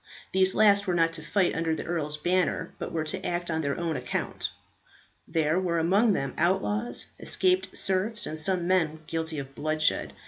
These last were not to fight under the earl's banner, but were to act on their own account. There were among them outlaws, escaped serfs, and some men guilty of bloodshed.